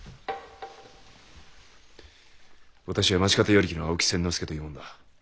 私は町方与力の青木千之介という者だ。